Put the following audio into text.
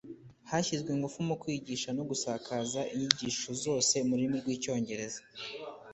hashyizwe ingufu mu kwigisha no gusakaza inyigisho zose mu rurimi rw' icyongereza